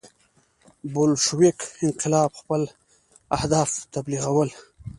بلشویک انقلاب خپل اهداف تبلیغول.